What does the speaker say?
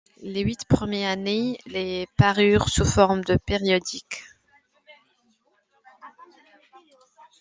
Les huit premières années, les ' parurent sous forme de périodique.